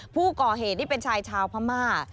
ผู้ก่อเหตุนี่เป็นชายชาวพม่า